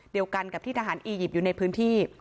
เดียวกันกับที่ทหารอียิปต์อยู่ในพื้นที่